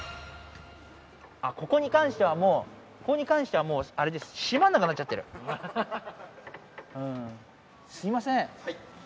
ここに関してはもうここに関してはもうあれです閉まんなくなっちゃってるうんすいません